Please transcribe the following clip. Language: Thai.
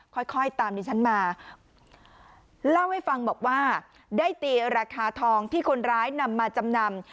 ค่อยค่อยตามดิฉันมาเล่าให้ฟังบอกว่าได้ตีราคาทองที่คนร้ายนำมาจำนำ